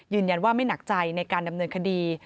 ยืนยันว่าไม่หนักใจในการดำเนินคดี